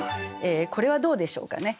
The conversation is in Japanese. これはどうでしょうかね。